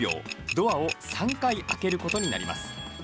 ドアを３回開けることになります。